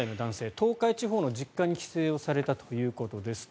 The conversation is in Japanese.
東海地方の実家に帰省されたということです。